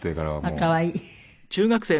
あっ可愛い。